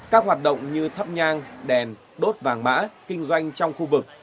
các hoạt động như thắp nhang đèn đốt vàng mã kinh doanh trong khu vực